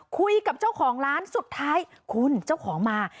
คุยกับเจ้าของร้านสุดท้ายคุณเจ้าของมา